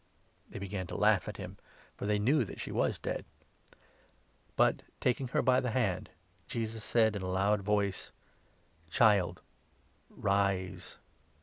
They began to laugh at him, for they knew that she was 53 dead. But, taking her by the hand, Jesus said in a loud 54 voice : "Child, rise!"